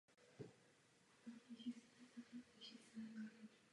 Na Harvardu byl také editorem The Harvard Crimson.